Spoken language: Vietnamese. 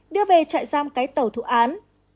đưa về chạy giam cái tàu thủ án